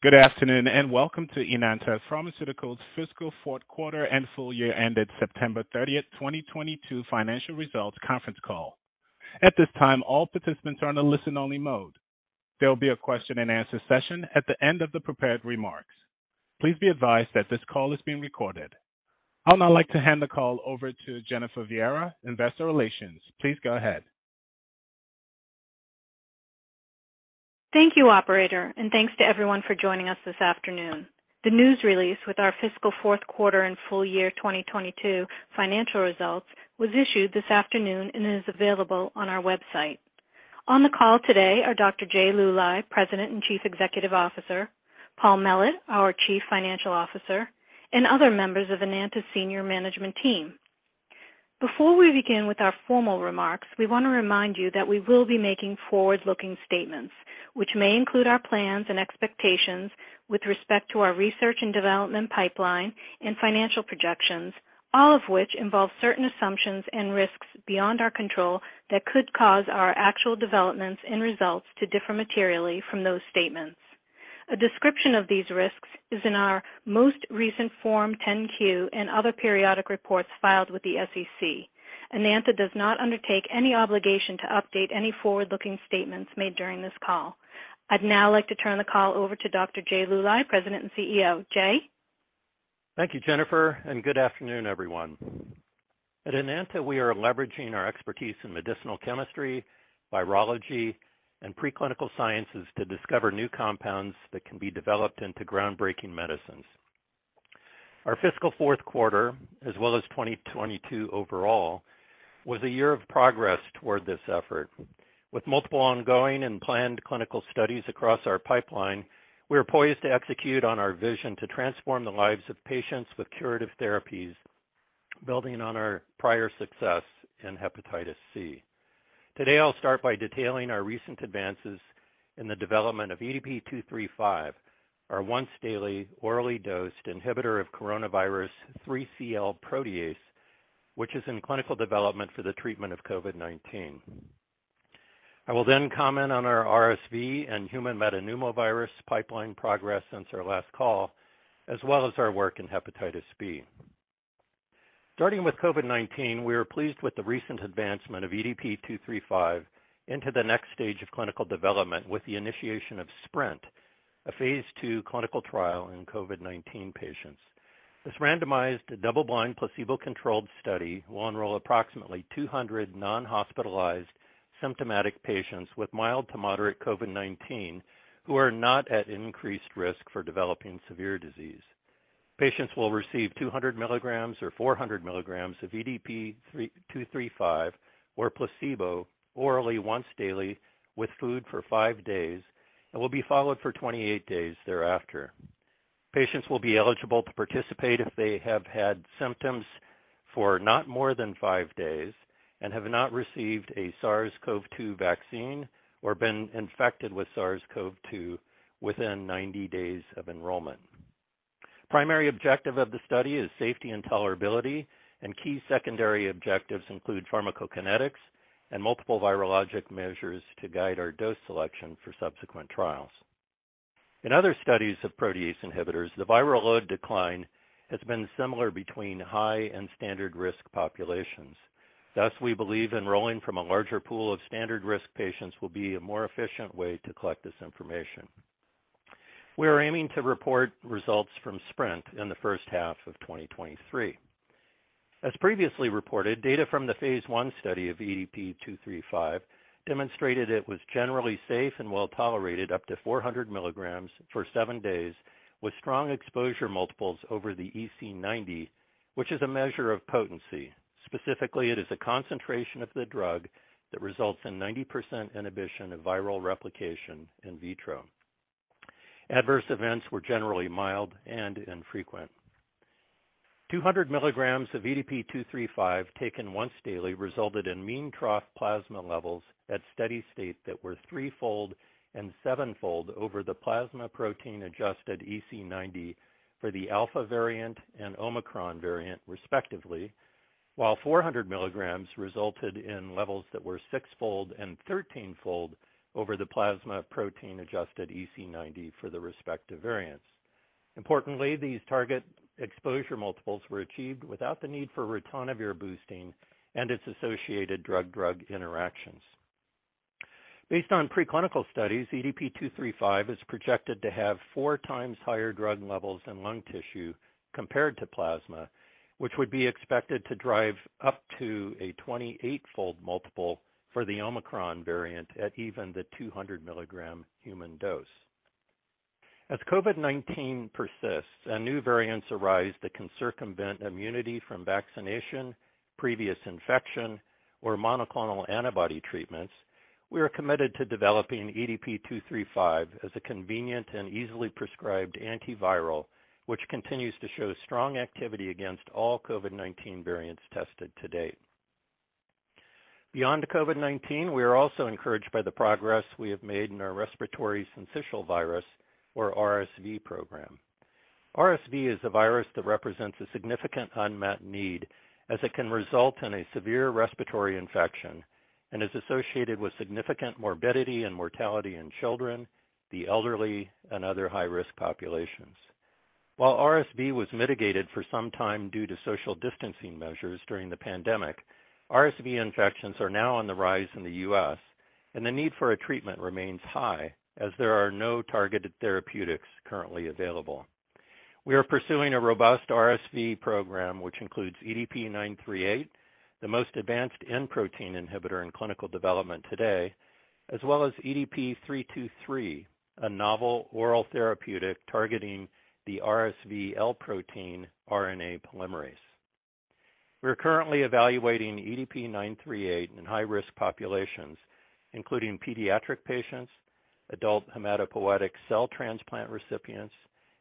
Good afternoon, welcome to Enanta Pharmaceuticals Fiscal Fourth Quarter and Full Year ended September 30th, 2022 financial results conference call. At this time, all participants are on a listen-only mode. There will be a question-and-answer session at the end of the prepared remarks. Please be advised that this call is being recorded. I would now like to hand the call over to Jennifer Viera, Investor Relations. Please go ahead. Thank you, operator, and thanks to everyone for joining us this afternoon. The news release with our fiscal 4th quarter and full year 2022 financial results was issued this afternoon and is available on our website. On the call today are Dr. Jay Luly, President and Chief Executive Officer, Paul Mellett, our Chief Financial Officer, and other members of Enanta's senior management team. Before we begin with our formal remarks, we want to remind you that we will be making forward-looking statements which may include our plans and expectations with respect to our research and development pipeline and financial projections, all of which involve certain assumptions and risks beyond our control that could cause our actual developments and results to differ materially from those statements. A description of these risks is in our most recent Form 10-Q and other periodic reports filed with the SEC. Enanta does not undertake any obligation to update any forward-looking statements made during this call. I'd now like to turn the call over to Dr. Jay Luly, President and CEO. Jay? Thank you, Jennifer. Good afternoon, everyone. At Enanta, we are leveraging our expertise in medicinal chemistry, virology, and preclinical sciences to discover new compounds that can be developed into groundbreaking medicines. Our fiscal fourth quarter, as well as 2022 overall, was a year of progress toward this effort. With multiple ongoing and planned clinical studies across our pipeline, we are poised to execute on our vision to transform the lives of patients with curative therapies, building on our prior success in Hepatitis C. Today, I'll start by detailing our recent advances in the development of EDP-235, our once daily orally dosed inhibitor of coronavirus 3CL protease, which is in clinical development for the treatment of COVID-19. I will then comment on our RSV and human metapneumovirus pipeline progress since our last call, as well as our work in Hepatitis B. Starting with COVID-19, we are pleased with the recent advancement of EDP-235 into the next stage of clinical development with the initiation of SPRINT, a phase II clinical trial in COVID-19 patients. This randomized double-blind, placebo-controlled study will enroll approximately 200 non-hospitalized symptomatic patients with mild to moderate COVID-19 who are not at increased risk for developing severe disease. Patients will receive 200 milligrams or 400 milligrams of EDP-235 or placebo orally once daily with food for 5 days and will be followed for 28 days thereafter. Patients will be eligible to participate if they have had symptoms for not more than 5 days and have not received a SARS-CoV-2 vaccine or been infected with SARS-CoV-2 within 90 days of enrollment. Primary objective of the study is safety and tolerability. Key secondary objectives include pharmacokinetics and multiple virologic measures to guide our dose selection for subsequent trials. In other studies of protease inhibitors, the viral load decline has been similar between high and standard risk populations. Thus, we believe enrolling from a larger pool of standard risk patients will be a more efficient way to collect this information. We are aiming to report results from SPRINT in the first half of 2023. As previously reported, data from the phase I study of EDP-235 demonstrated it was generally safe and well tolerated up to 400 milligrams for 7 days, with strong exposure multiples over the EC90, which is a measure of potency. Specifically, it is a concentration of the drug that results in 90% inhibition of viral replication in vitro. Adverse events were generally mild and infrequent. 200 milligrams of EDP-235 taken once daily resulted in mean trough plasma levels at steady state that were 3-fold and 7-fold over the plasma protein-adjusted EC90 for the Alpha variant and Omicron variant respectively, while 400 milligrams resulted in levels that were 6-fold and 13-fold over the plasma protein-adjusted EC90 for the respective variants. Importantly, these target exposure multiples were achieved without the need for ritonavir boosting and its associated drug-drug interactions. Based on preclinical studies, EDP-235 is projected to have 4 times higher drug levels in lung tissue compared to plasma, which would be expected to drive up to a 28-fold multiple for the Omicron variant at even the 200 milligram human dose. As COVID-19 persists and new variants arise that can circumvent immunity from vaccination, previous infection, or monoclonal antibody treatments, we are committed to developing EDP-235 as a convenient and easily prescribed antiviral, which continues to show strong activity against all COVID-19 variants tested to date. Beyond COVID-19, we are also encouraged by the progress we have made in our Respiratory Syncytial Virus, or RSV program. RSV is a virus that represents a significant unmet need as it can result in a severe respiratory infection and is associated with significant morbidity and mortality in children, the elderly, and other high-risk populations. While RSV was mitigated for some time due to social distancing measures during the pandemic, RSV infections are now on the rise in the U.S. and the need for a treatment remains high as there are no targeted therapeutics currently available. We are pursuing a robust RSV program, which includes EDP-938, the most advanced N protein inhibitor in clinical development today, as well as EDP-323, a novel oral therapeutic targeting the RSV L protein RNA polymerase. We are currently evaluating EDP-938 in high-risk populations, including pediatric patients, adult hematopoietic cell transplant recipients,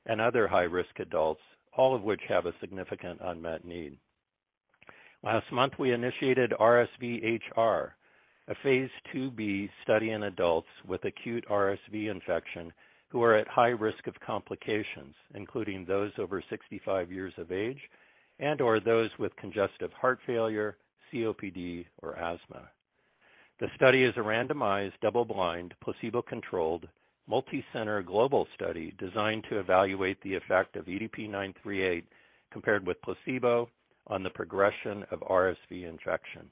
and other high-risk adults, all of which have a significant unmet need. Last month, we initiated RSV-HR, a phase IIB study in adults with acute RSV infection who are at high risk of complications, including those over 65 years of age and/or those with congestive heart failure, COPD, or asthma. The study is a randomized, double-blind, placebo-controlled, multicenter global study designed to evaluate the effect of EDP-938 compared with placebo on the progression of RSV infection.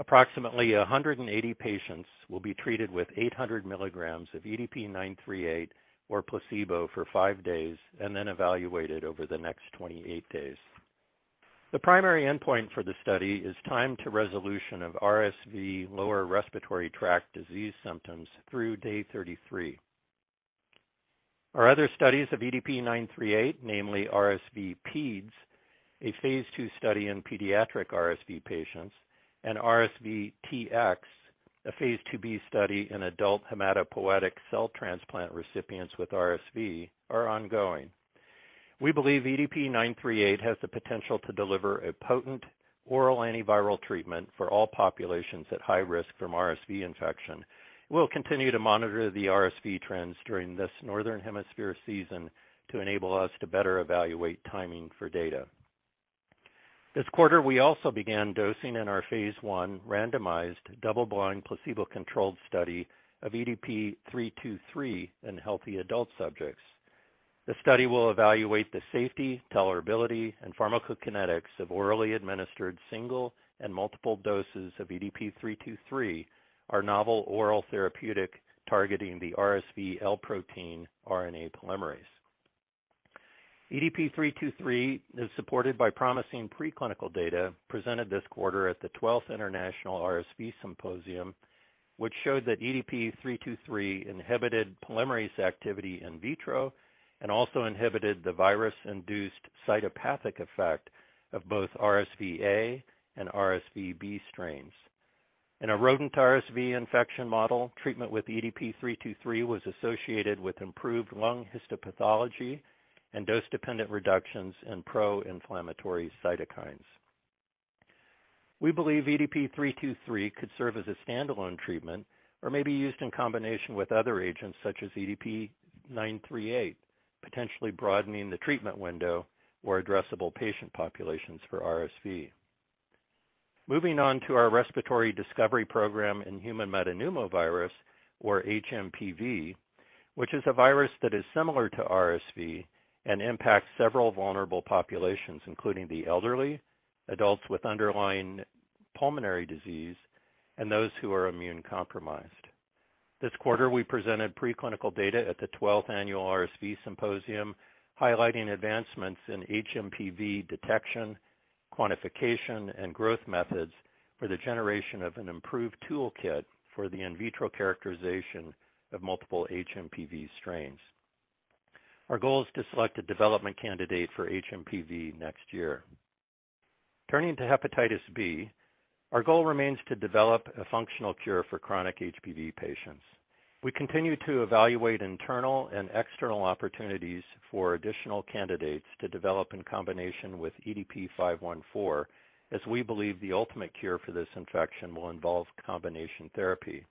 Approximately 180 patients will be treated with 800 milligrams of EDP-938 or placebo for 5 days and then evaluated over the next 28 days. The primary endpoint for the study is time to resolution of RSV lower respiratory tract disease symptoms through day 33. Our other studies of EDP-938, namely RSVPEDs, a phase II study in pediatric RSV patients, and RSV-TX, a phase IIb study in adult hematopoietic cell transplant recipients with RSV, are ongoing. We believe EDP-938 has the potential to deliver a potent oral antiviral treatment for all populations at high risk from RSV infection. We'll continue to monitor the RSV trends during this northern hemisphere season to enable us to better evaluate timing for data. This quarter, we also began dosing in our phase I randomized double-blind placebo-controlled study of EDP-323 in healthy adult subjects. The study will evaluate the safety, tolerability, and pharmacokinetics of orally administered single and multiple doses of EDP-323, our novel oral therapeutic targeting the RSV L-protein RNA polymerase. EDP-323 is supported by promising preclinical data presented this quarter at the 12th International RSV Symposium, which showed that EDP-323 inhibited polymerase activity in vitro and also inhibited the virus-induced cytopathic effect of both RSVA and RSVB strains. In a rodent RSV infection model, treatment with EDP-323 was associated with improved lung histopathology and dose-dependent reductions in pro-inflammatory cytokines. We believe EDP-323 could serve as a standalone treatment or may be used in combination with other agents such as EDP-938, potentially broadening the treatment window or addressable patient populations for RSV. Moving on to our respiratory discovery program in human metapneumovirus or HMPV, which is a virus that is similar to RSV and impacts several vulnerable populations, including the elderly, adults with underlying pulmonary disease, and those who are immune-compromised. This quarter, we presented preclinical data at the 12th Annual RSV Symposium, highlighting advancements in HMPV detection, quantification, and growth methods for the generation of an improved toolkit for the in vitro characterization of multiple HMPV strains. Our goal is to select a development candidate for HMPV next year. Turning to hepatitis B, our goal remains to develop a functional cure for chronic HBV patients. We continue to evaluate internal and external opportunities for additional candidates to develop in combination with EDP-514, as we believe the ultimate cure for this infection will involve combination therapy.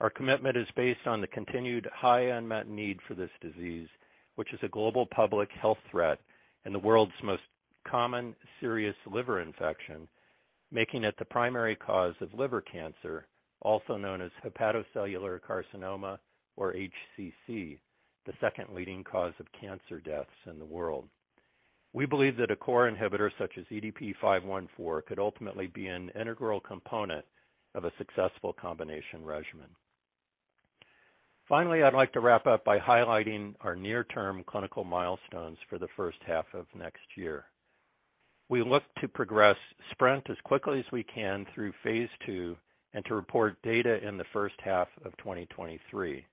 Our commitment is based on the continued high unmet need for this disease, which is a global public health threat and the world's most common serious liver infection, making it the primary cause of liver cancer, also known as hepatocellular carcinoma or HCC, the second leading cause of cancer deaths in the world. We believe that a core inhibitor such as EDP-514 could ultimately be an integral component of a successful combination regimen. Finally, I'd like to wrap up by highlighting our near-term clinical milestones for the first half of next year. We look to progress SPRINT as quickly as we can through phase II and to report data in the first half of 2023.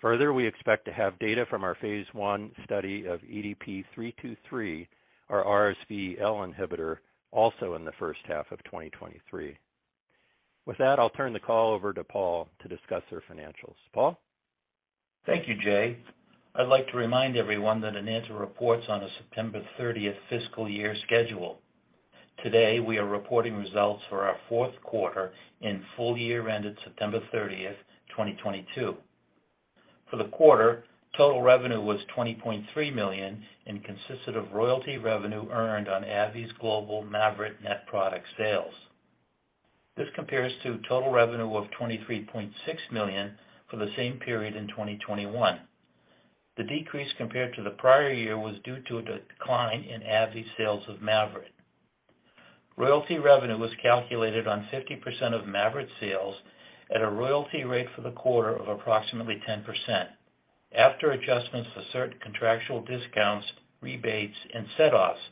Further, we expect to have data from our phase I study of EDP-323, our RSV L inhibitor, also in the first half of 2023. With that, I'll turn the call over to Paul to discuss their financials. Paul? Thank you, Jay. I'd like to remind everyone that Enanta reports on a September 30th fiscal year schedule. Today, we are reporting results for our fourth quarter and full year ended September 30th, 2022. For the quarter, total revenue was $20.3 million and consisted of royalty revenue earned on AbbVie's global Mavyret net product sales. This compares to total revenue of $23.6 million for the same period in 2021. The decrease compared to the prior year was due to a decline in AbbVie's sales of Mavyret. Royalty revenue was calculated on 50% of Mavyret sales at a royalty rate for the quarter of approximately 10% after adjustments to certain contractual discounts, rebates, and setoffs,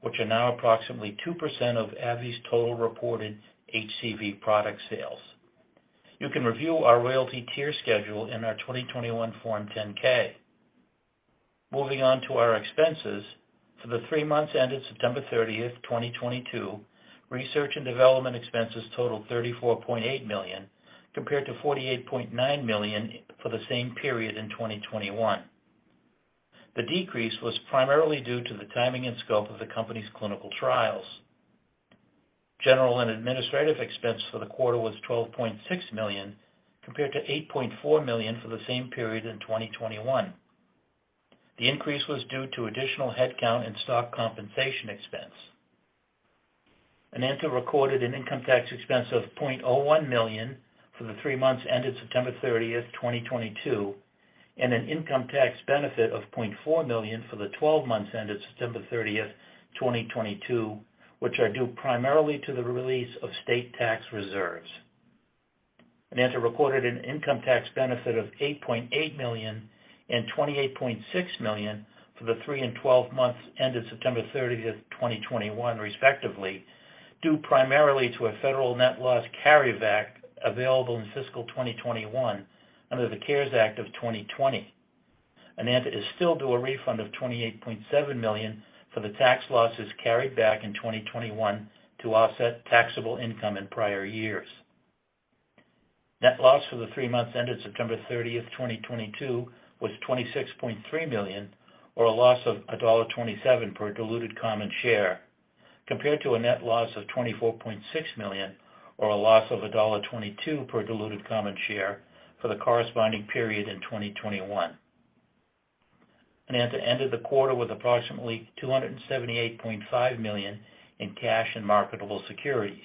which are now approximately 2% of AbbVie's total reported HCV product sales. You can review our royalty tier schedule in our 2021 Form 10-K. Moving on to our expenses, for the 3 months ended September 30, 2022, research and development expenses totaled $34.8 million, compared to $48.9 million for the same period in 2021. The decrease was primarily due to the timing and scope of the company's clinical trials. General and administrative expense for the quarter was $12.6 million, compared to $8.4 million for the same period in 2021. The increase was due to additional headcount and stock compensation expense. Enanta recorded an income tax expense of $0.01 million for the 3 months ended September 30, 2022, and an income tax benefit of $0.4 million for the 12 months ended September 30, 2022, which are due primarily to the release of state tax reserves. Enanta recorded an income tax benefit of $8.8 million and $28.6 million for the 3 and 12 months ended September 30, 2021, respectively, due primarily to a federal net loss carryback available in fiscal 2021 under the CARES Act of 2020. Enanta is still due a refund of $28.7 million for the tax losses carried back in 2021 to offset taxable income in prior years. Net loss for the 3 months ended September 30, 2022, was $26.3 million or a loss of $1.27 per diluted common share, compared to a net loss of $24.6 million or a loss of $1.22 per diluted common share for the corresponding period in 2021. Enanta ended the quarter with approximately $278.5 million in cash and marketable securities.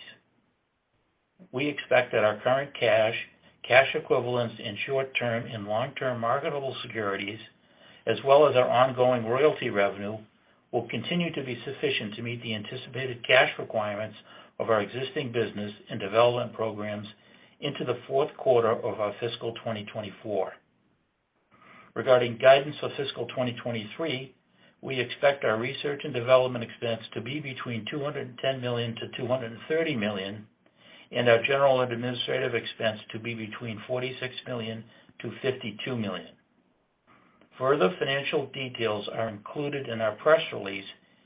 We expect that our current cash equivalents in short-term and long-term marketable securities, as well as our ongoing royalty revenue, will continue to be sufficient to meet the anticipated cash requirements of our existing business and development programs into the fourth quarter of our fiscal 2024. Regarding guidance for fiscal 2023, we expect our research and development expense to be between $210 million-$230 million, and our general and administrative expense to be between $46 million-$52 million. Further financial details are included in our press release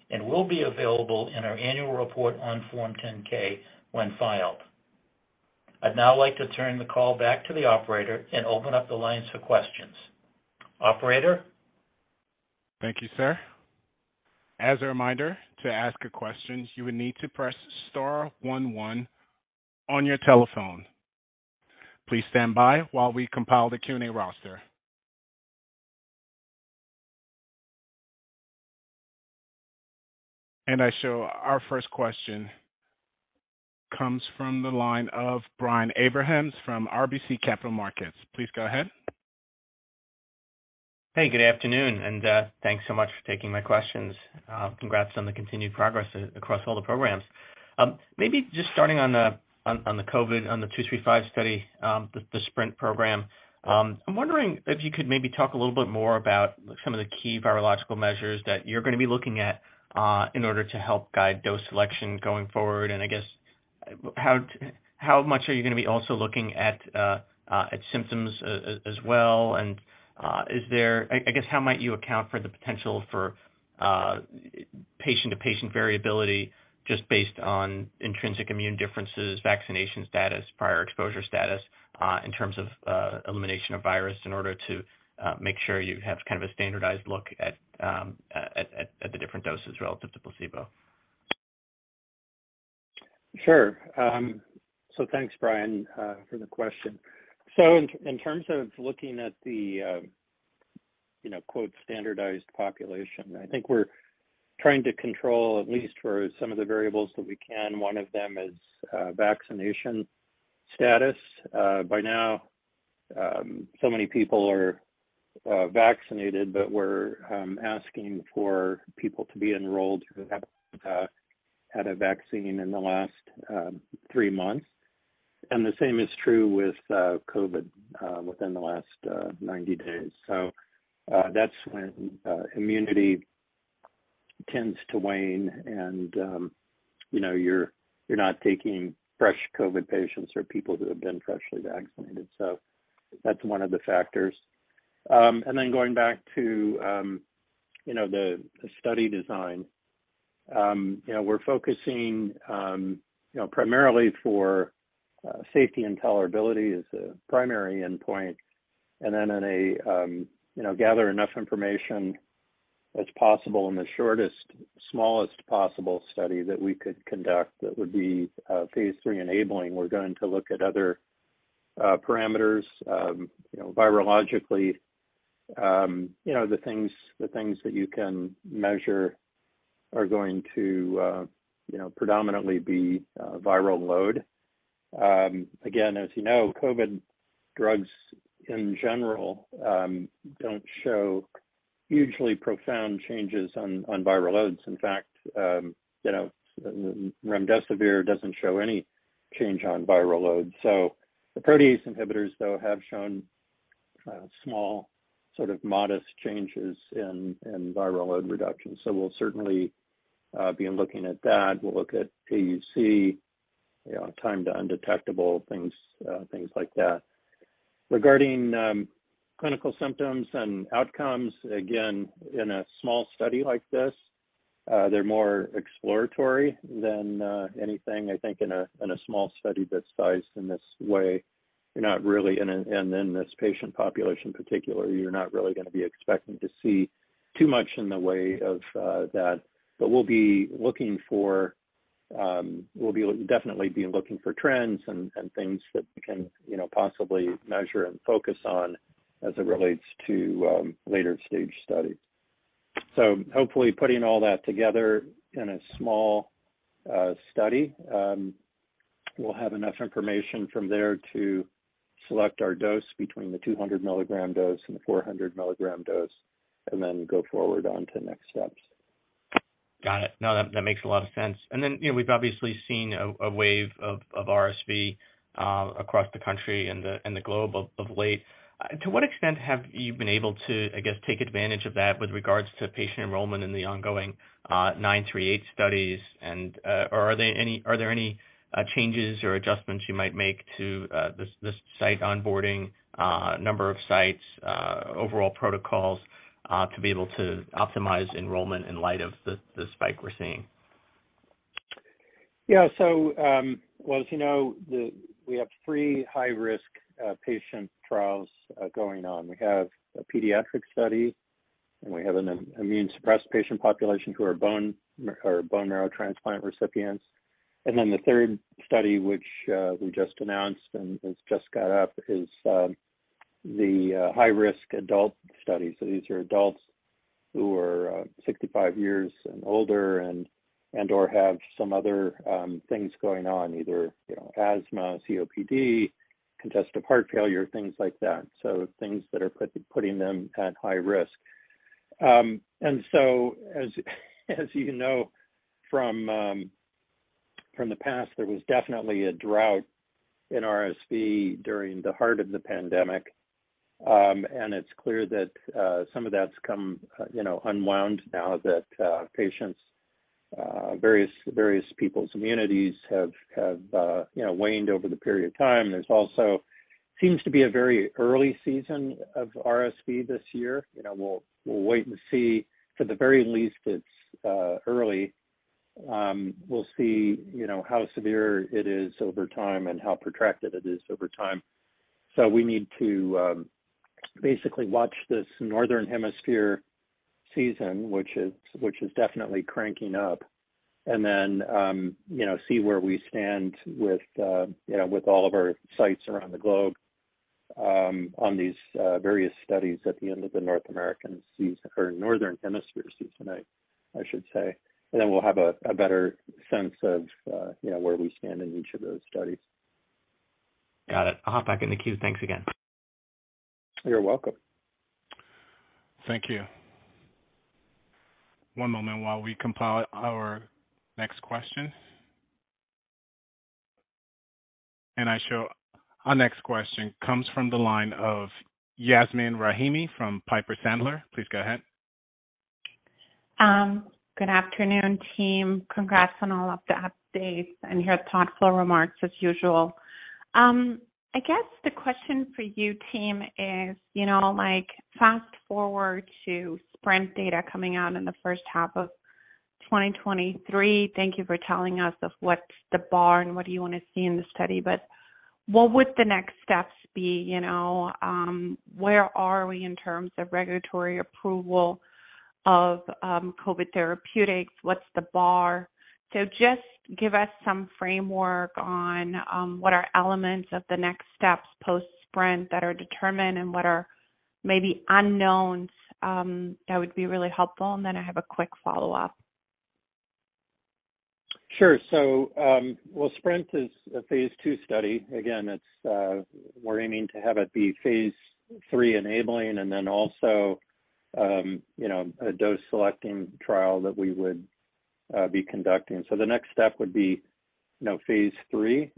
and will be available in our annual report on Form 10-K when filed. I'd now like to turn the call back to the operator and open up the lines for questions. Operator? Thank you, sir. As a reminder, to ask a question, you will need to press star one one on your telephone. Please stand by while we compile the Q&A roster. I show our first question comes from the line of Brian Abrahams from RBC Capital Markets. Please go ahead. Hey, good afternoon, thanks so much for taking my questions. Congrats on the continued progress across all the programs. Maybe just starting on the COVID, on the 235 study, the SPRINT program, I'm wondering if you could maybe talk a little bit more about some of the key virological measures that you're gonna be looking at in order to help guide dose selection going forward. I guess, how much are you gonna be also looking at at symptoms as well? Is there... I guess, how might you account for the potential for patient-to-patient variability just based on intrinsic immune differences, vaccination status, prior exposure status, in terms of elimination of virus in order to make sure you have kind of a standardized look at the different doses relative to placebo? Sure. Thanks, Brian, for the question. In terms of looking at the, you know, quote, "standardized population," I think we're trying to control, at least for some of the variables that we can, one of them is vaccination status. By now, so many people are vaccinated, but we're asking for people to be enrolled who have had a vaccine in the last 3 months. And the same is true with COVID within the last 90 days. That's when immunity tends to wane and, you know, you're not taking fresh COVID patients or people who have been freshly vaccinated. That's one of the factors. Going back to, you know, the study design, you know, we're focusing, you know, primarily for safety and tolerability as a primary endpoint. In a, you know, gather enough information as possible in the shortest, smallest possible study that we could conduct that would be phase III enabling. We're going to look at other parameters, you know, virologically. You know, the things that you can measure are going to, you know, predominantly be viral load. Again, as you know, COVID drugs in general don't show hugely profound changes on viral loads. In fact, you know, Remdesivir doesn't show any change on viral load. The protease inhibitors, though, have shown small, sort of modest changes in viral load reduction. We'll certainly be looking at that. We'll look at PUC, you know, time to undetectable things like that. Regarding clinical symptoms and outcomes, again, in a small study like this, they're more exploratory than anything I think in a, in a small study that's sized in this way. You're not really, and in this patient population particular, you're not really gonna be expecting to see too much in the way of that. We'll definitely be looking for trends and things that we can, you know, possibly measure and focus on as it relates to later stage studies. Hopefully, putting all that together in a small study, we'll have enough information from there to select our dose between the 200 milligram dose and the 400 milligram dose and then go forward on to next steps. Got it. No, that makes a lot of sense. you know, we've obviously seen a wave of RSV across the country and the globe of late. To what extent have you been able to, I guess, take advantage of that with regards to patient enrollment in the ongoing 938 studies? Or are there any changes or adjustments you might make to the site onboarding, number of sites, overall protocols, to be able to optimize enrollment in light of the spike we're seeing? Yeah. Well, as you know, we have three high-risk patient trials going on. We have a pediatric study. We have an immune-suppressed patient population who are bone marrow transplant recipients. The third study, which we just announced and has just got up, is the high-risk adult study. These are adults who are 65 years and older and/or have some other things going on, either, you know, asthma, COPD, congestive heart failure, things like that. Things that are putting them at high risk. As you know from the past, there was definitely a drought in RSV during the heart of the pandemic. It's clear that some of that's come, you know, unwound now that patients', various people's immunities have, you know, waned over the period of time. There's also seems to be a very early season of RSV this year. You know, we'll wait and see. For the very least, it's early. We'll see, you know, how severe it is over time and how protracted it is over time. We need to basically watch this northern hemisphere season, which is definitely cranking up, then, you know, see where we stand with, you know, with all of our sites around the globe, on these various studies at the end of the North American season or northern hemisphere season, I should say. We'll have a better sense of, you know, where we stand in each of those studies. Got it. I'll hop back in the queue. Thanks again. You're welcome. Thank you. One moment while we compile our next question. I show our next question comes from the line of Yasmeen Rahimi from Piper Sandler. Please go ahead. Good afternoon, team. Congrats on all of the updates and your thoughtful remarks as usual. I guess the question for you, team is, you know, like fast forward to SPRINT data coming out in the first half of 2023. Thank you for telling us of what's the bar and what do you wanna see in the study. What would the next steps be, you know, where are we in terms of regulatory approval of COVID therapeutics? What's the bar? Just give us some framework on what are elements of the next steps post SPRINT that are determined, and what are maybe unknowns that would be really helpful. Then I have a quick follow-up. Sure. Well, SPRINT is a phase II study. Again, it's, we're aiming to have it be phase III enabling and then also, you know, a dose selecting trial that we would be conducting. The next step would be, you know, phase III.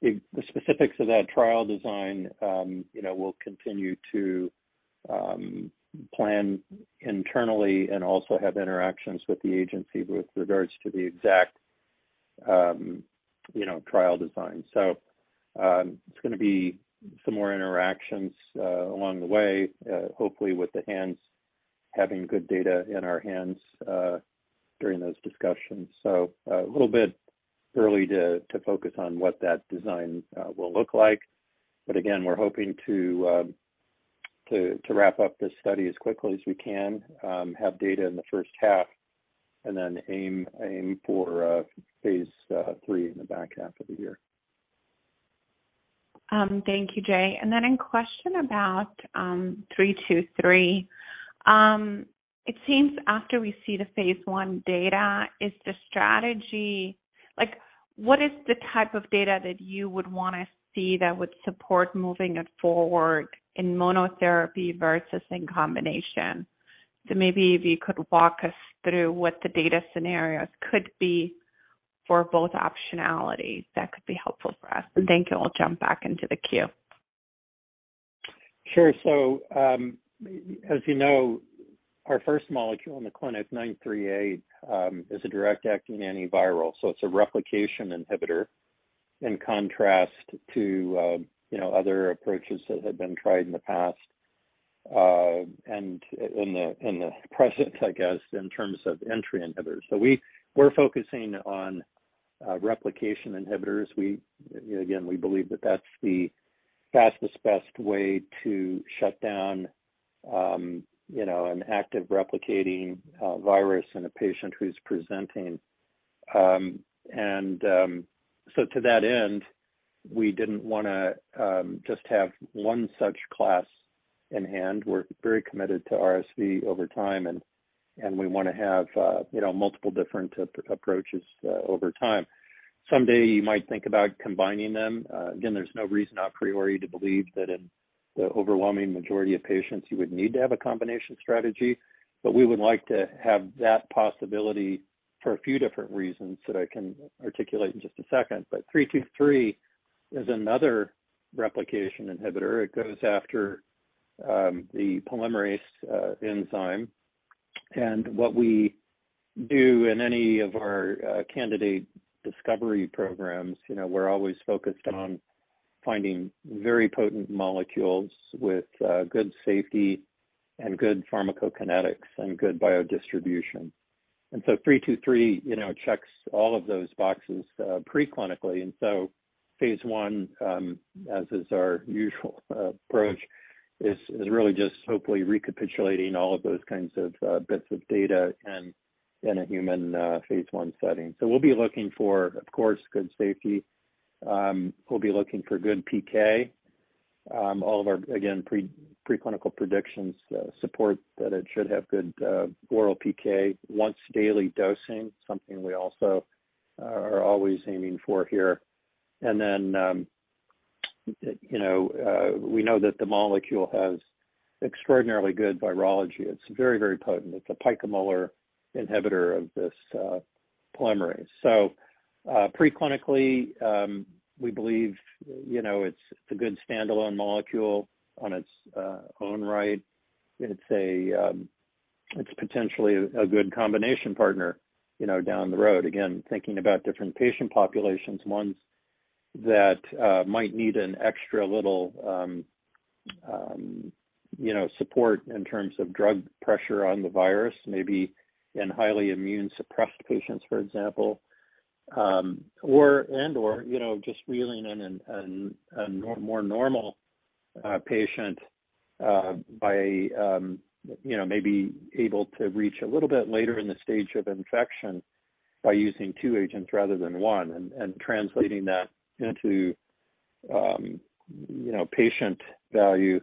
The specifics of that trial design, you know, we'll continue to plan internally and also have interactions with the agency with regards to the exact, you know, trial design. It's going to be some more interactions along the way, hopefully with Having good data in our hands during those discussions. A little bit early to focus on what that design will look like. Again, we're hoping to wrap up this study as quickly as we can, have data in the first half and then aim for phase III in the back half of the year. Thank you, Jay. A question about, 323. It seems after we see the phase I data, is the strategy? Like, what is the type of data that you would wanna see that would support moving it forward in monotherapy versus in combination? Maybe if you could walk us through what the data scenarios could be for both optionalities, that could be helpful for us. Thank you. I'll jump back into the queue. Sure. As you know, our first molecule in the clinic, EDP-938, is a direct-acting antiviral, so it's a replication inhibitor in contrast to, you know, other approaches that have been tried in the past, and in the, and the present, I guess, in terms of entry inhibitors. We're focusing on replication inhibitors. We, again, we believe that that's the fastest, best way to shut down, you know, an active replicating virus in a patient who's presenting. To that end, we didn't wanna just have one such class in hand. We're very committed to RSV over time, and we wanna have, you know, multiple different approaches over time. Someday, you might think about combining them. Again, there's no reason a priori to believe that in the overwhelming majority of patients you would need to have a combination strategy. We would like to have that possibility for a few different reasons that I can articulate in just a second. EDP-323 is another replication inhibitor. It goes after the polymerase enzyme. What we do in any of our candidate discovery programs, you know, we're always focused on finding very potent molecules with good safety and good pharmacokinetics and good biodistribution. EDP-323, you know, checks all of those boxes preclinically. Phase I, as is our usual approach, is really just hopefully recapitulating all of those kinds of bits of data in a human phase I setting. We'll be looking for, of course, good safety. We'll be looking for good PK. All of our, again, preclinical predictions support that it should have good oral PK, once daily dosing, something we also are always aiming for here. You know, we know that the molecule has extraordinarily good virology. It's very, very potent. It's a picomolar inhibitor of this polymerase. Preclinically, we believe, you know, it's a good standalone molecule on its own right. It's potentially a good combination partner, you know, down the road. Again, thinking about different patient populations, ones that might need an extra little, you know, support in terms of drug pressure on the virus, maybe in highly immune suppressed patients, for example. And/or, you know, just reeling in a more normal patient by, you know, maybe able to reach a little bit later in the stage of infection by using two agents rather than one and translating that into, you know, patient value.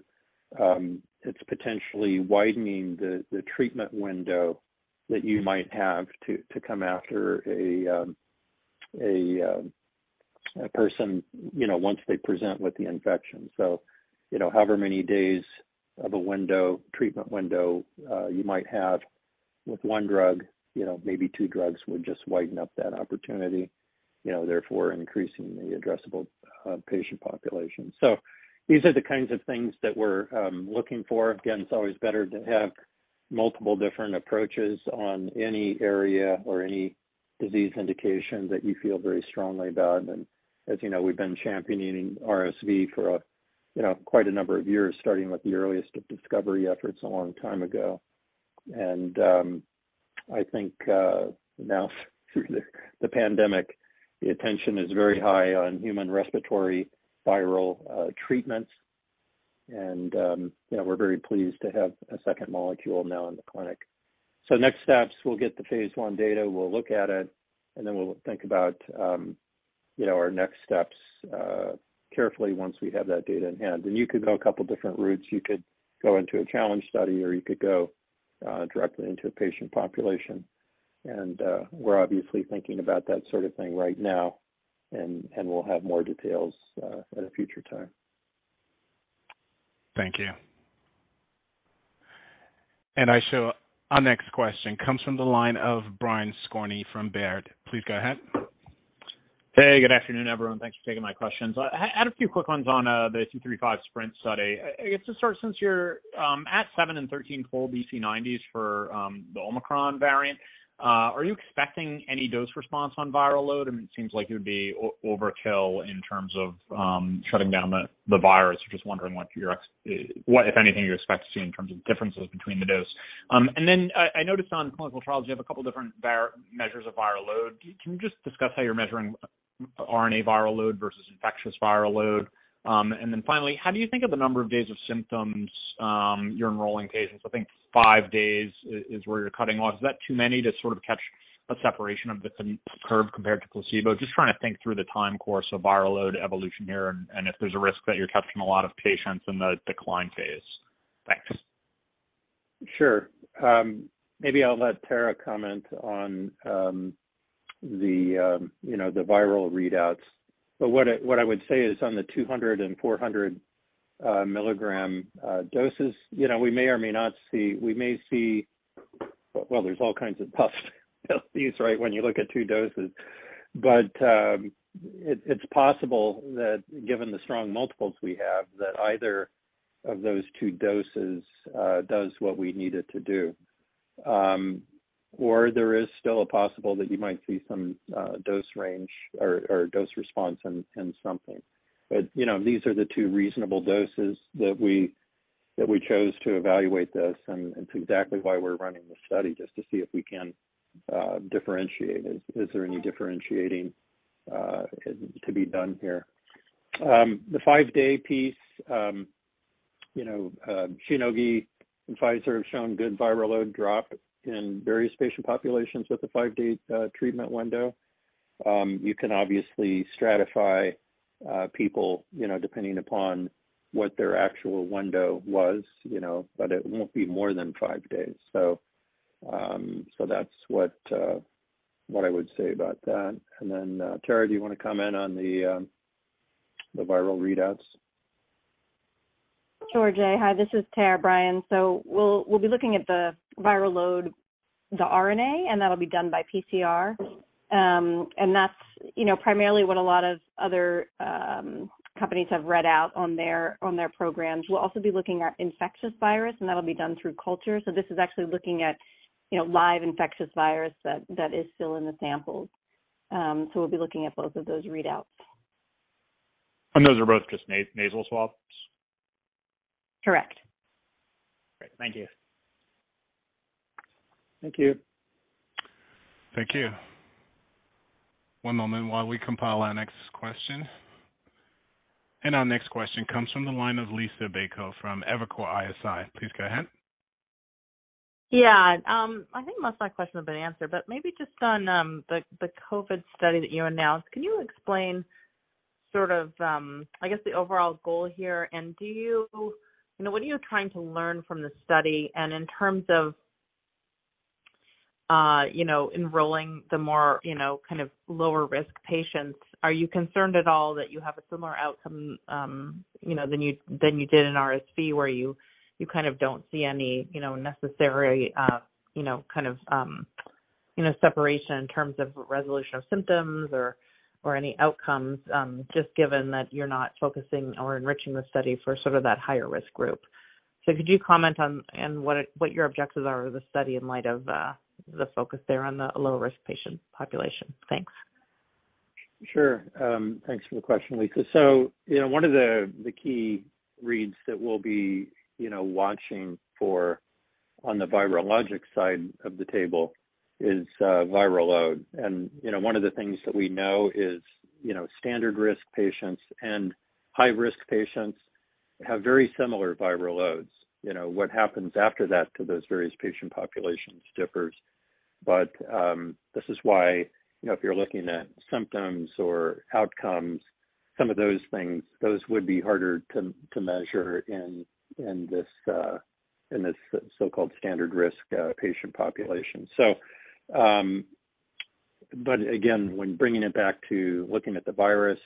It's potentially widening the treatment window that you might have to come after a person, you know, once they present with the infection. However many days of a window, treatment window, you might have with one drug, you know, maybe two drugs would just widen up that opportunity, you know, therefore increasing the addressable patient population. These are the kinds of things that we're looking for. It's always better to have multiple different approaches on any area or any disease indication that you feel very strongly about. As you know, we've been championing RSV for, you know, quite a number of years, starting with the earliest of discovery efforts a long time ago. I think now through the pandemic, the attention is very high on human respiratory viral treatments. We're very pleased to have a second molecule now in the clinic. Next steps, we'll get the phase I data, we'll look at it, and then we'll think about our next steps carefully once we have that data in hand. You could go 2 different routes. You could go into a challenge study, or you could go directly into a patient population. We're obviously thinking about that sort of thing right now, and we'll have more details, at a future time. Thank you. I show our next question comes from the line of Brian Skorney from Baird. Please go ahead. Hey, good afternoon, everyone. Thanks for taking my questions. I had a few quick ones on the EDP-235 SPRINT study. I guess to start, since you're at 7 and 13 for EC90s for The Omicron variant. Are you expecting any dose response on viral load? I mean, it seems like it would be overkill in terms of shutting down the virus. Just wondering what, if anything, you expect to see in terms of differences between the dose. I noticed on clinical trials you have a couple different measures of viral load. Can you just discuss how you're measuring RNA viral load versus infectious viral load? Finally, how do you think of the number of days of symptoms you're enrolling patients? I think 5 days is where you're cutting off. Is that too many to sort of catch a separation of the curve compared to placebo? Just trying to think through the time course of viral load evolution here and if there's a risk that you're catching a lot of patients in the decline phase. Thanks. Sure. Maybe I'll let Tara comment on, you know, the viral readouts. What I would say is on the 200 and 400 milligram doses, you know, we may or may not see, we may see. Well, there's all kinds of possibilities, right, when you look at two doses. It's possible that given the strong multiples we have, that either of those two doses does what we need it to do. There is still a possible that you might see some dose range or dose response in something. You know, these are the two reasonable doses that we chose to evaluate this, and it's exactly why we're running the study, just to see if we can differentiate. Is there any differentiating to be done here? The 5-day piece, you know, Shionogi and Pfizer have shown good viral load drop in various patient populations with the 5-day treatment window. You can obviously stratify people, you know, depending upon what their actual window was, you know, but it won't be more than 5 days. That's what I would say about that. Tara, do you wanna comment on the viral readouts? Sure, Jay. Hi, this is Tara, Brian. We'll be looking at the viral load, the RNA, and that'll be done by PCR. And that's, you know, primarily what a lot of other companies have read out on their programs. We'll also be looking at infectious virus, and that'll be done through culture. This is actually looking at, you know, live infectious virus that is still in the samples. We'll be looking at both of those readouts. Those are both just nasal swabs? Correct. Great. Thank you. Thank you. Thank you. One moment while we compile our next question. Our next question comes from the line of Liisa Bayko from Evercore ISI. Please go ahead. Yeah. I think most of my questions have been answered, but maybe just on the COVID study that you announced, can you explain sort of, I guess the overall goal here? You know, what are you trying to learn from this study? In terms of, you know, enrolling the more, you know, kind of lower risk patients, are you concerned at all that you have a similar outcome, you know, than you, than you did in RSV where you kind of don't see any, you know, necessary, you know, kind of, you know, separation in terms of resolution of symptoms or any outcomes, just given that you're not focusing or enriching the study for sort of that higher risk group? Could you comment on what your objectives are of the study in light of the focus there on the low-risk patient population? Thanks. Sure. Thanks for the question, Liisa. You know, one of the key reads that we'll be, you know, watching for on the virologic side of the table is viral load. You know, one of the things that we know is, you know, standard-risk patients and high-risk patients have very similar viral loads. You know, what happens after that to those various patient populations differs. This is why, you know, if you're looking at symptoms or outcomes, some of those things, those would be harder to measure in this so-called standard-risk patient population. But again, when bringing it back to looking at the virus,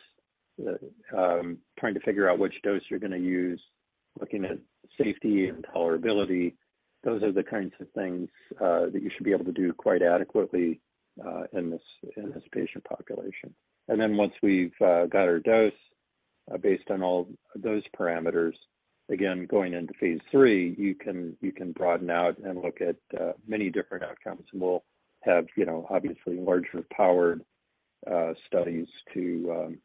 trying to figure out which dose you're gonna use, looking at safety and tolerability, those are the kinds of things that you should be able to do quite adequately in this patient population. Once we've got our dose, based on all those parameters, again, going into phase III, you can broaden out and look at many different outcomes. We'll have, you know, obviously larger powered studies to,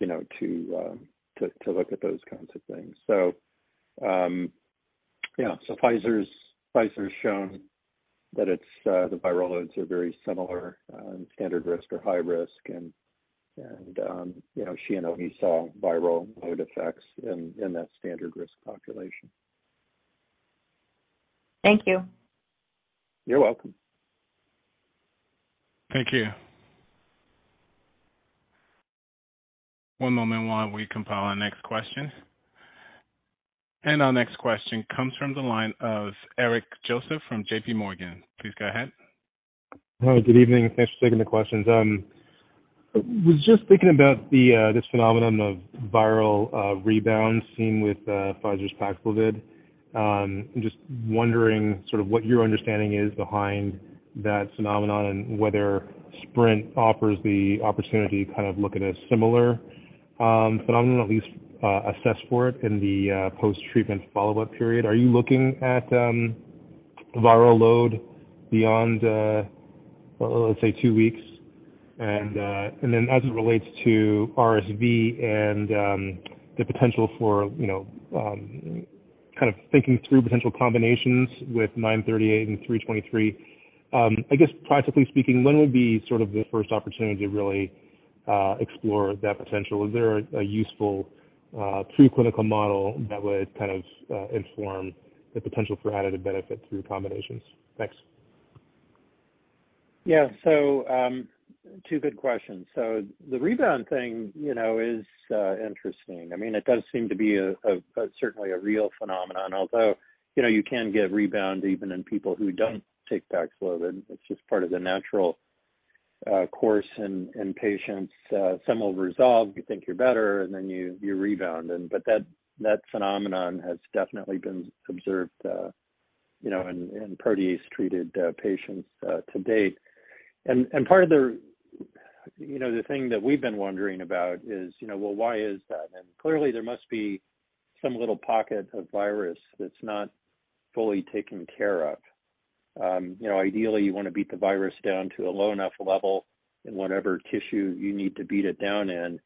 you know, to look at those kinds of things. Yeah. Pfizer's shown that it's the viral loads are very similar in standard risk or high risk. You know, Shionogi saw viral load effects in that standard-risk population. Thank you. You're welcome. Thank you. One moment while we compile our next question. Our next question comes from the line of Eric Joseph from JPMorgan. Please go ahead. Hello, good evening. Thanks for taking the questions. was just thinking about the this phenomenon of viral rebound seen with Pfizer's PAXLOVID. Just wondering sort of what your understanding is behind that phenomenon and whether SPRINT offers the opportunity to kind of look at a similar I'm gonna at least assess for it in the post-treatment follow-up period. Are you looking at viral load beyond, let's say 2 weeks? As it relates to RSV and the potential for kind of thinking through potential combinations with 938 and 323, I guess practically speaking, when would be sort of the first opportunity to really explore that potential? Is there a useful pre-clinical model that would kind of inform the potential for additive benefit through combinations? Thanks. Two good questions. The rebound thing, you know, is interesting. I mean, it does seem to be a certainly a real phenomenon. Although, you know, you can get rebound even in people who don't take PAXLOVID. It's just part of the natural course in patients. Some will resolve, you think you're better, and then you rebound. That phenomenon has definitely been observed, you know, in protease-treated patients to date. Part of the, you know, the thing that we've been wondering about is, you know, well, why is that? Clearly there must be some little pocket of virus that's not fully taken care of. you know, ideally you wanna beat the virus down to a low enough level in whatever tissue you need to beat it down in,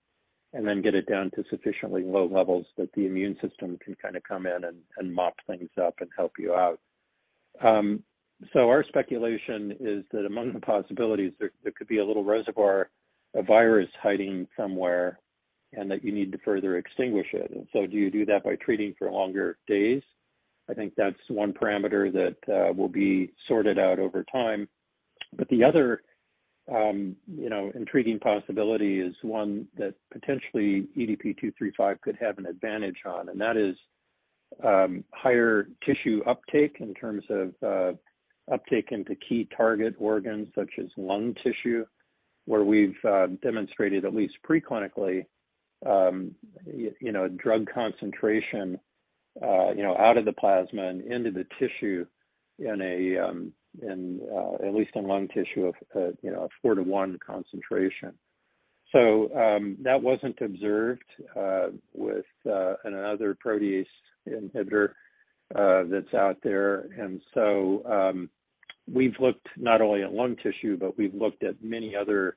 and then get it down to sufficiently low levels that the immune system can kind of come in and mop things up and help you out. Our speculation is that among the possibilities, there could be a little reservoir of virus hiding somewhere, and that you need to further extinguish it. Do you do that by treating for longer days? I think that's one parameter that will be sorted out over time. The other, you know, intriguing possibility is one that potentially EDP-235 could have an advantage on, and that is, higher tissue uptake in terms of uptake into key target organs such as lung tissue, where we've demonstrated at least pre-clinically, you know, drug concentration, you know, out of the plasma and into the tissue in at least lung tissue of, you know, a 4-to-1 concentration. That wasn't observed with another protease inhibitor that's out there. We've looked not only at lung tissue, but we've looked at many other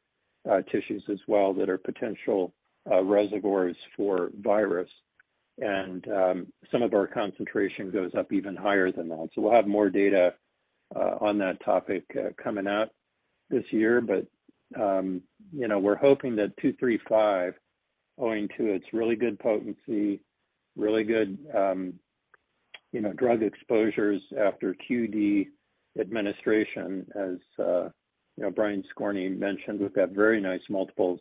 tissues as well that are potential reservoirs for virus. Some of our concentration goes up even higher than that. We'll have more data on that topic coming out this year. You know, we're hoping that EDP-235, owing to its really good potency, really good, you know, drug exposures after QD administration as, you know, Brian Skorney mentioned, we've got very nice multiples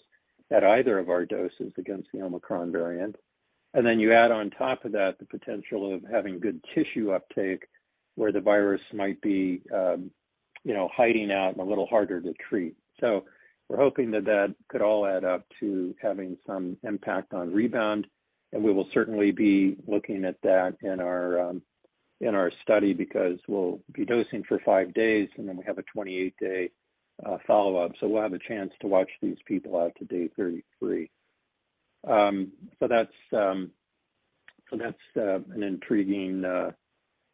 at either of our doses against the Omicron variant. You add on top of that the potential of having good tissue uptake where the virus might be, you know, hiding out and a little harder to treat. We're hoping that that could all add up to having some impact on rebound, and we will certainly be looking at that in our, in our study because we'll be dosing for 5 days, and then we have a 28-day follow-up. We'll have a chance to watch these people out to day 33. That's an intriguing,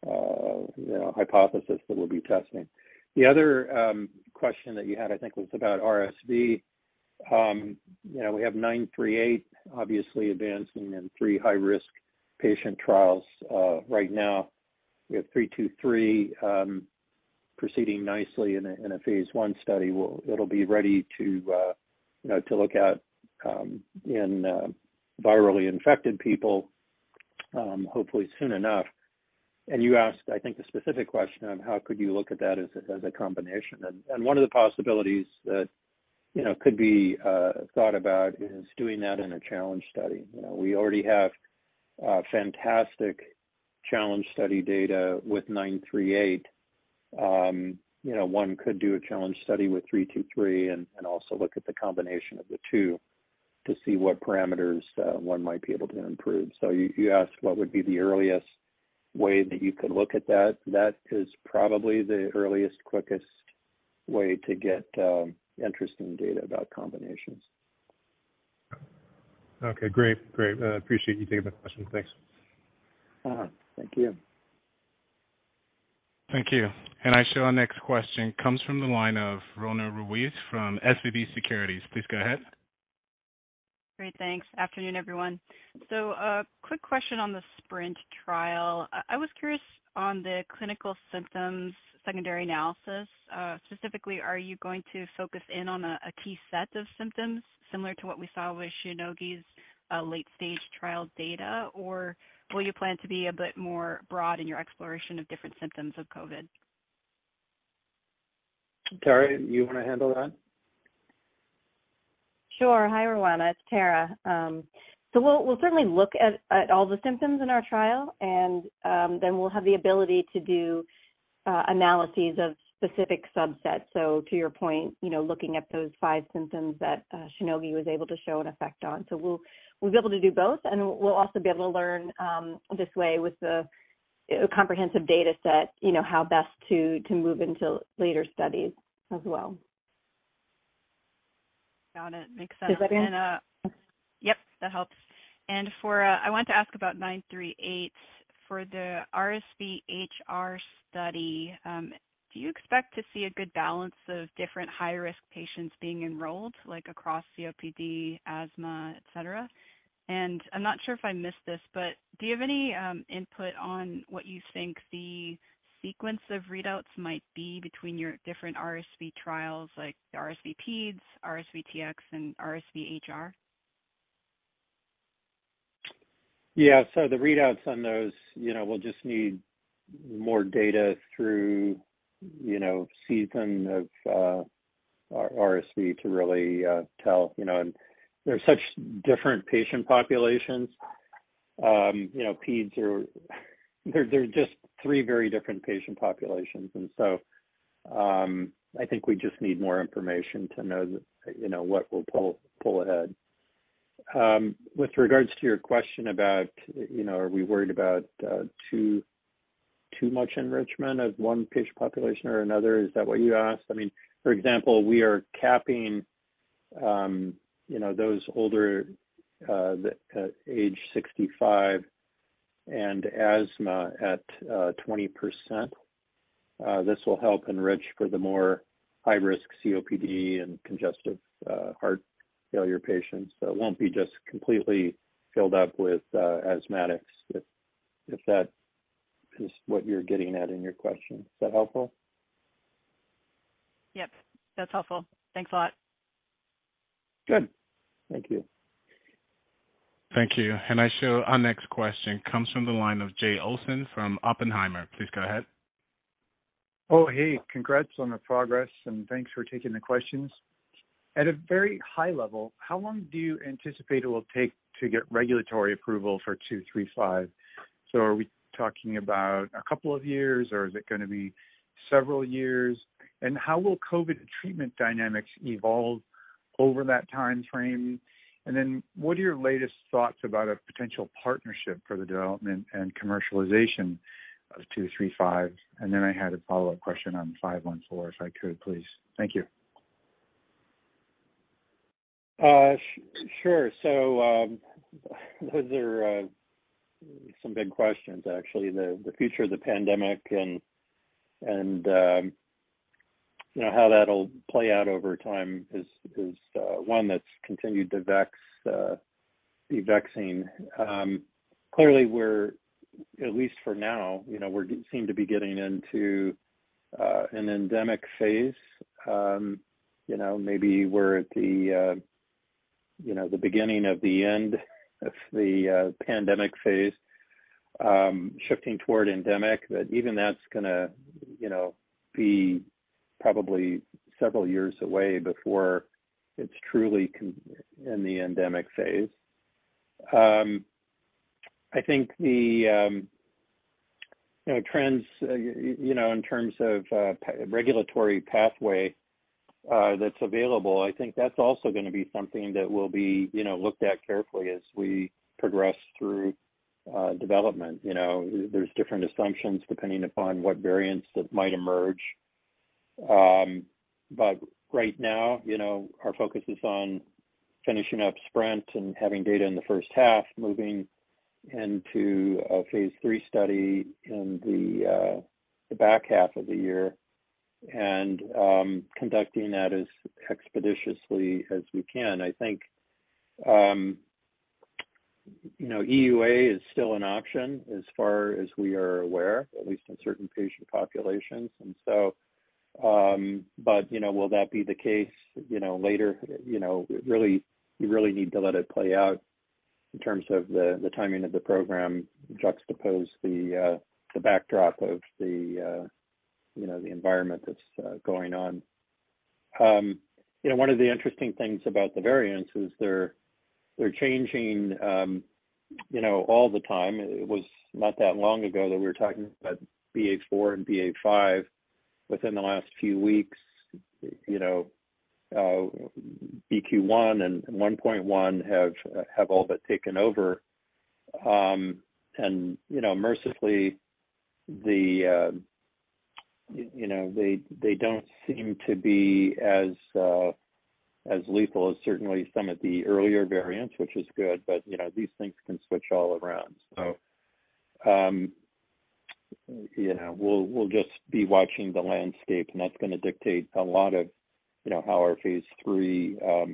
you know, hypothesis that we'll be testing. The other question that you had, I think, was about RSV. You know, we have EDP-938 obviously advancing in 3 high-risk patient trials. Right now we have EDP-323 proceeding nicely in a phase I study. It'll be ready to, you know, to look at in virally infected people, hopefully soon enough. You asked, I think, the specific question of how could you look at that as a combination. One of the possibilities that, you know, could be thought about is doing that in a challenge study. You know, we already have fantastic challenge study data with EDP-938. You know, one could do a challenge study with EDP-323 and also look at the combination of the two to see what parameters one might be able to improve. You asked what would be the earliest way that you could look at that is probably the earliest, quickest way to get interesting data about combinations. Okay, great. Great. Appreciate you taking the question. Thanks. Uh-huh. Thank you. Thank you. I show our next question comes from the line of Roanna Ruiz from SVB Securities. Please go ahead. Great. Thanks. Afternoon, everyone. A quick question on the SPRINT trial. I was curious on the clinical symptoms secondary analysis. Specifically, are you going to focus in on a key set of symptoms similar to what we saw with Shionogi's late-stage trial data? Or will you plan to be a bit more broad in your exploration of different symptoms of COVID? Tara, you wanna handle that? Sure. Hi, Roana. It's Tara. We'll certainly look at all the symptoms in our trial, and then we'll have the ability to do analyses of specific subsets. To your point, you know, looking at those five symptoms that Shionogi was able to show an effect on. We'll be able to do both, and we'll also be able to learn this way with a comprehensive data set, you know, how best to move into later studies as well. Got it. Makes sense. Does that answer? Yep, that helps. I want to ask about EDP-938. For the RSV-HR study, do you expect to see a good balance of different high risk patients being enrolled, like across COPD, asthma, et cetera? I'm not sure if I missed this, but do you have any input on what you think the sequence of readouts might be between your different RSV trials, like the RSVPEDs, RSV-TX, and RSV-HR? Yeah. The readouts on those, you know, we'll just need more data through, you know, season of RSV to really tell, you know. They're such different patient populations. You know, They're just three very different patient populations. I think we just need more information to know that, you know, what we'll pull ahead. With regards to your question about, you know, are we worried about too much enrichment of one patient population or another, is that what you asked? I mean, for example, we are capping, you know, those older that age 65 and asthma at 20%. This will help enrich for the more high risk COPD and congestive heart failure patients. It won't be just completely filled up with asthmatics, if that is what you're getting at in your question. Is that helpful? Yep, that's helpful. Thanks a lot. Good. Thank you. Thank you. I show our next question comes from the line of Jay Olson from Oppenheimer. Please go ahead. Oh, hey. Congrats on the progress. Thanks for taking the questions. At a very high level, how long do you anticipate it will take to get regulatory approval for EDP-235? Are we talking about a couple of years, or is it going to be several years? How will COVID treatment dynamics evolve over that time frame? What are your latest thoughts about a potential partnership for the development and commercialization of EDP-235? I had a follow-up question on EDP-514, if I could please. Thank you. Sure. Those are some big questions actually. The future of the pandemic and, you know, how that'll play out over time is one that's continued to vex, be vexing. Clearly we're, at least for now, you know, we seem to be getting into an endemic phase. You know, maybe we're at the, you know, the beginning of the end of the pandemic phase, shifting toward endemic. Even that's gonna, you know, be probably several years away before it's truly in the endemic phase. I think the, you know, trends, you know, in terms of regulatory pathway, that's available, I think that's also gonna be something that will be, you know, looked at carefully as we progress through development. You know, there's different assumptions depending upon what variants that might emerge. Right now, you know, our focus is on finishing up SPRINT and having data in the first half, moving into a phase III study in the back half of the year and conducting that as expeditiously as we can. I think, you know, EUA is still an option as far as we are aware, at least in certain patient populations. You know, will that be the case, you know, later? You know, really, you really need to let it play out in terms of the timing of the program, juxtapose the backdrop of the, you know, the environment that's going on. You know, one of the interesting things about the variants is they're changing, you know, all the time. It was not that long ago that we were talking about BA.4 and BA.5. Within the last few weeks, BQ.1 and 1.1 have all but taken over. Mercifully the, they don't seem to be as lethal as certainly some of the earlier variants, which is good. These things can switch all around. We'll just be watching the landscape, and that's gonna dictate a lot of how our phase III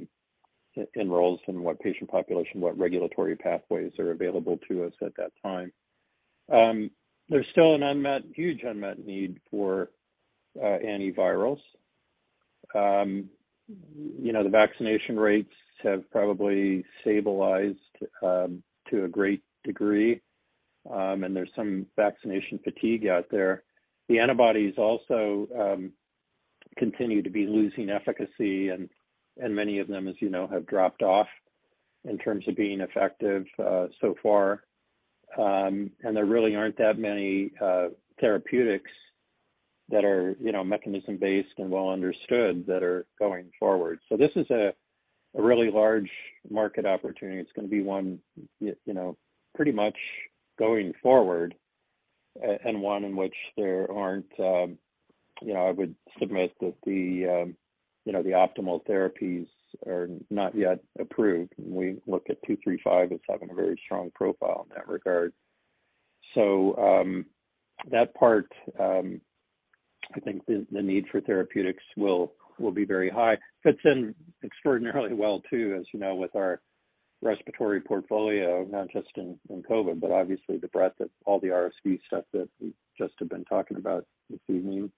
enrolls and what patient population, what regulatory pathways are available to us at that time. There's still a huge unmet need for antivirals. The vaccination rates have probably stabilized to a great degree, there's some vaccination fatigue out there. The antibodies also continue to be losing efficacy, and many of them, as you know, have dropped off in terms of being effective so far. There really aren't that many therapeutics that are, you know, mechanism-based and well understood that are going forward. This is a really large market opportunity. It's gonna be one, you know, pretty much going forward, and one in which there aren't, you know, I would submit that the, you know, the optimal therapies are not yet approved. We look at two-three-five as having a very strong profile in that regard. That part, I think the need for therapeutics will be very high. Fits in extraordinarily well too, as you know, with our respiratory portfolio, not just in COVID, but obviously the breadth of all the RSV stuff that we just have been talking about this evening,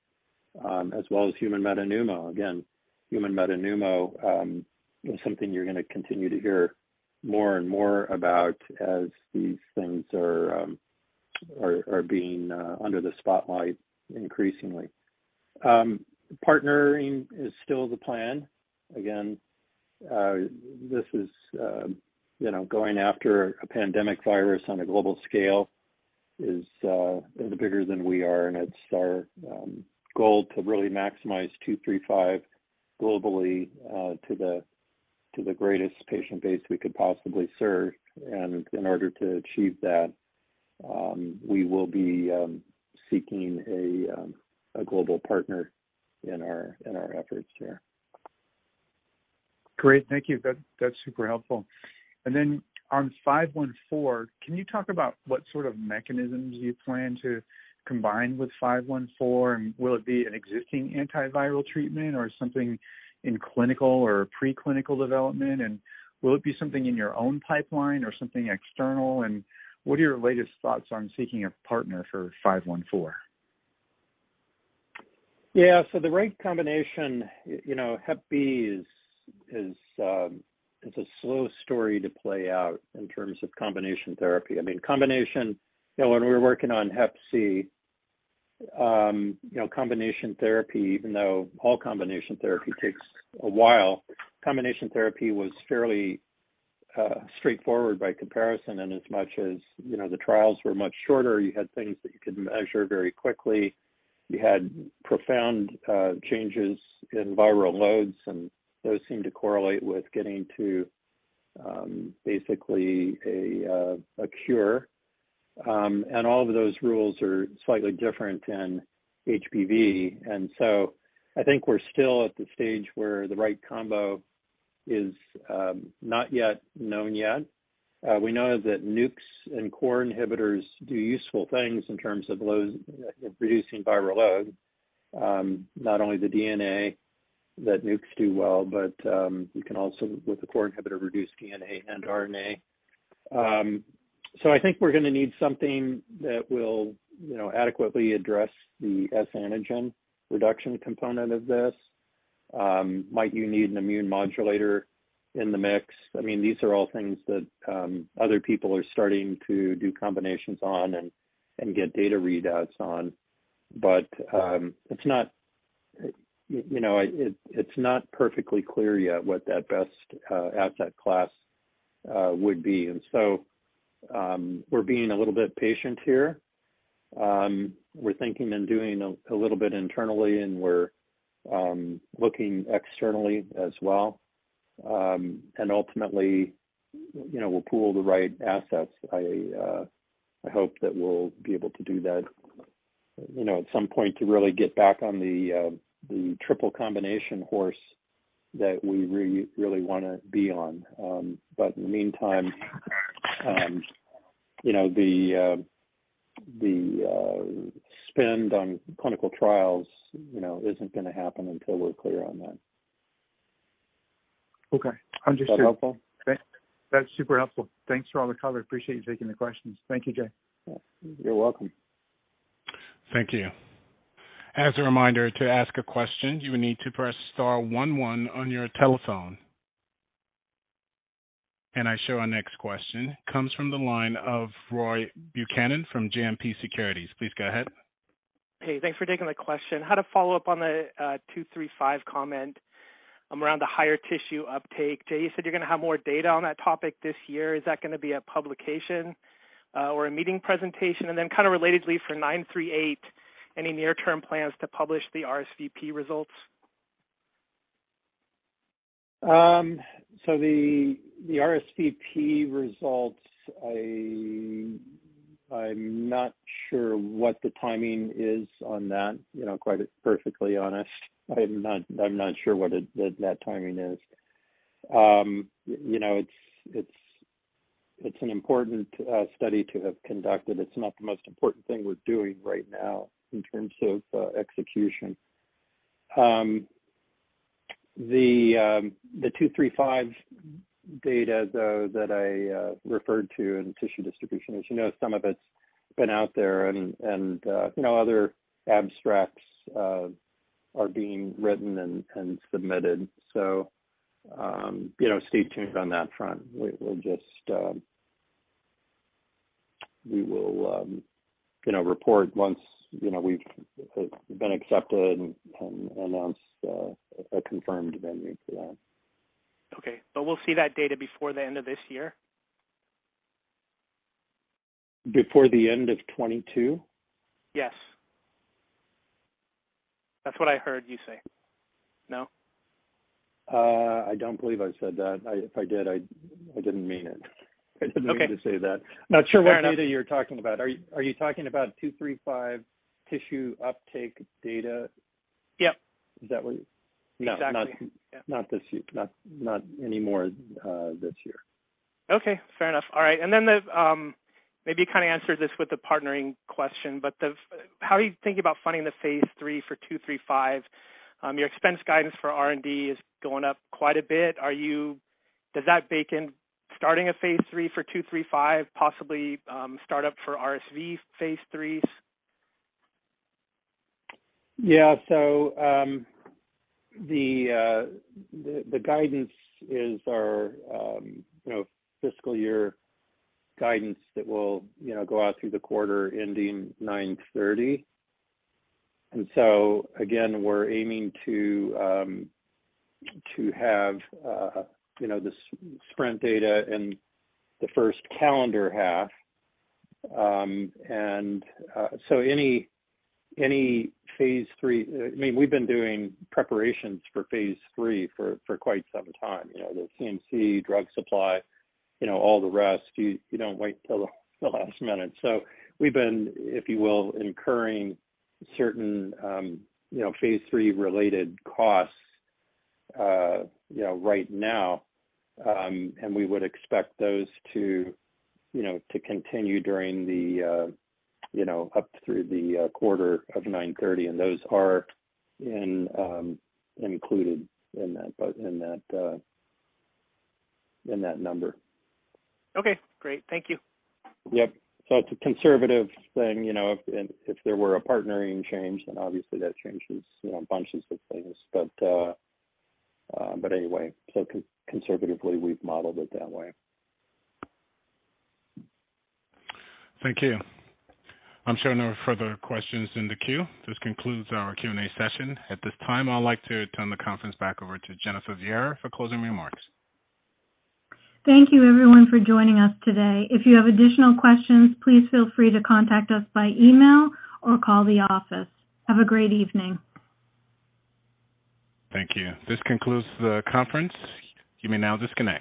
as well as human metapneumo. Again, human metapneumo, is something you're gonna continue to hear more and more about as these things are being under the spotlight increasingly. Partnering is still the plan. Again, this is, you know, going after a pandemic virus on a global scale is bigger than we are, and it's our goal to really maximize EDP-235 globally, to the greatest patient base we could possibly serve. In order to achieve that, we will be seeking a global partner in our efforts there. Great. Thank you. That's super helpful. On five-one-four, can you talk about what sort of mechanisms you plan to combine with five-one-four? Will it be an existing antiviral treatment or something in clinical or preclinical development? Will it be something in your own pipeline or something external? What are your latest thoughts on seeking a partner for five-one-four? Yeah. So the right combination, you know, hep B is a slow story to play out in terms of combination therapy. I mean, combination, you know, when we were working on hep C, you know, combination therapy, even though all combination therapy takes a while, combination therapy was fairly straightforward by comparison. As much as, you know, the trials were much shorter, you had things that you could measure very quickly. You had profound changes in viral loads, and those seemed to correlate with getting to basically a cure. All of those rules are slightly different in HBV. So I think we're still at the stage where the right combo is not yet known yet. We know that NUCs and Core inhibitors do useful things in terms of reducing viral load. Not only the DNA that NUCs do well, but we can also with the Core inhibitor, reduce DNA and RNA. I think we're gonna need something that will, you know, adequately address the HBsAg reduction component of this. Might you need an immune modulator in the mix? I mean, these are all things that other people are starting to do combinations on and get data readouts on. It's not, you know, it's not perfectly clear yet what that best asset class would be. We're being a little bit patient here. We're thinking and doing a little bit internally, and we're looking externally as well. Ultimately, you know, we'll pool the right assets. I hope that we'll be able to do that, you know, at some point to really get back on the triple combination horse that we really wanna be on. In the meantime, you know, the spend on clinical trials, you know, isn't gonna happen until we're clear on that. Okay. Understood. Is that helpful? That's super helpful. Thanks for all the color. Appreciate you taking the questions. Thank you, Jay. You're welcome. Thank you. As a reminder, to ask a question, you will need to press star one one on your telephone. I show our next question comes from the line of Roy Buchanan from JMP Securities. Please go ahead. Hey, thanks for taking my question. How to follow up on the EDP-235 comment around the higher tissue uptake. Jay, you said you're gonna have more data on that topic this year. Is that gonna be a publication or a meeting presentation? Kind of relatedly for EDP-938, any near-term plans to publish the RSVP results? The RSVP results, I'm not sure what the timing is on that, you know, quite perfectly honest. I'm not sure what that timing is. You know, it's an important study to have conducted. It's not the most important thing we're doing right now in terms of execution. The 235 data, though, that I referred to in tissue distribution, as you know, some of it's been out there and, you know, other abstracts are being written and submitted. Stay tuned on that front. We'll just. We will, you know, report once, you know, we've been accepted and announce a confirmed venue for that. Okay. We'll see that data before the end of this year? Before the end of 2022? Yes. That's what I heard you say. No? I don't believe I said that. If I did, I didn't mean it. Okay. I didn't mean to say that. Not sure what data you're talking about. Are you talking about 235 tissue uptake data? Yep. Is that what you... Exactly. No, not this year. Not anymore, this year. Okay, fair enough. All right. Then the, maybe you kinda answered this with the partnering question, how are you thinking about funding the phase III for EDP-235? Your expense guidance for R&D is going up quite a bit. Does that bake in starting a phase III for EDP-235, possibly, start up for RSV phase IIIs? Yeah. The guidance is our, you know, fiscal year guidance that will, you know, go out through the quarter ending 9/30. Again, we're aiming to have, you know, the SPRINT data in the first calendar half. Any phase III, I mean, we've been doing preparations for phase III for quite some time. You know, the CMC drug supply, you know, all the rest, you don't wait till the last minute. We've been, if you will, incurring certain, you know, phase III related costs, you know, right now. We would expect those to, you know, to continue during the, you know, up through the quarter of 9/30, and those are included in that but in that, in that number. Okay, great. Thank you. Yep. It's a conservative thing, you know, if, and if there were a partnering change, then obviously that changes, you know, bunches of things. Anyway, conservatively, we've modeled it that way. Thank you. I'm showing no further questions in the queue. This concludes our Q&A session. At this time, I'd like to turn the conference back over to Jennifer Viera for closing remarks. Thank you, everyone, for joining us today. If you have additional questions, please feel free to contact us by email or call the office. Have a great evening. Thank you. This concludes the conference. You may now disconnect.